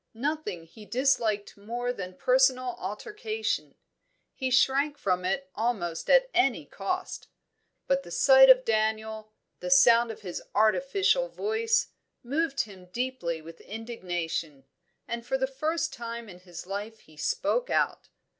Nothing he disliked more than personal altercation; he shrank from it at almost any cost. But the sight of Daniel, the sound of his artificial voice, moved him deeply with indignation, and for the first time in his life he spoke out.